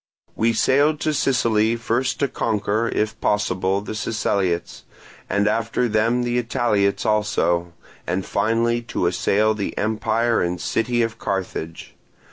We sailed to Sicily first to conquer, if possible, the Siceliots, and after them the Italiots also, and finally to assail the empire and city of Carthage.